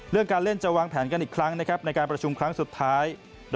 เรื่องการเล่นจะวางแผนกันอีกครั้งในการประชุมครั้งสุดท้าย